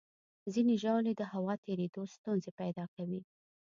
ځینې ژاولې د هوا تېرېدو ستونزې پیدا کوي.